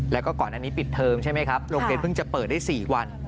แล้วก็ก่อนอันนี้ปิดเทอมใช่ไหมครับโรงเรียนเพิ่งจะเปิดได้๔วัน